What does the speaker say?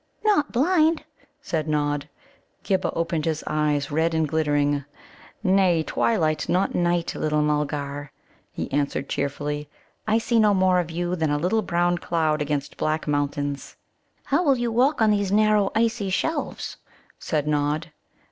"Not blind?" said Nod. Ghibba opened his eyes, red and glittering. "Nay, twilight, not night, little Mulgar," he answered cheerfully. "I see no more of you than a little brown cloud against black mountains." "But how will you walk on these narrow, icy shelves?" said Nod.